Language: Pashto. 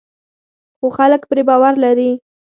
خو خلک پرې باور لري.